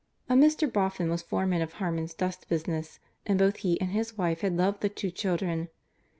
A Mr. Boffin was foreman of Harmon's dust business, and both he and his wife had loved the two children.